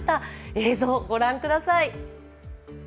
映像、ご覧ください。